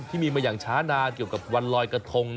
ที่มีมาอย่างช้านานเกี่ยวกับวันลอยกระทง